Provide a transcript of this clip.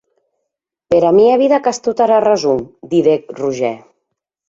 Per vida mia qu’as tota era rason, didec Roger.